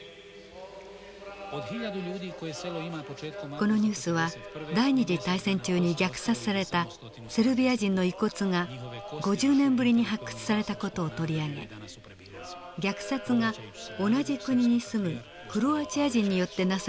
このニュースは第二次大戦中に虐殺されたセルビア人の遺骨が５０年ぶりに発掘された事を取り上げ虐殺が同じ国に住むクロアチア人によってなされたと報じました。